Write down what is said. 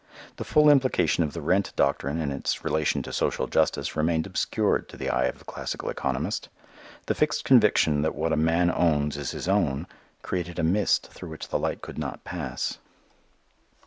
The full implication of the rent doctrine and its relation to social justice remained obscured to the eye of the classical economist; the fixed conviction that what a man owns is his own created a mist through which the light could not pass.